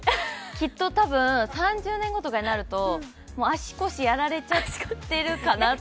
きっと多分、３０年後とかになると足腰やられちゃってるかなって。